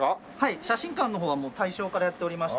はい写真館の方はもう大正からやっておりまして。